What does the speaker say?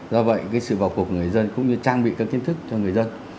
do vậy sự vào cuộc của người dân cũng như trang bị các kiến thức cho người dân